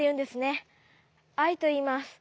アイといいます。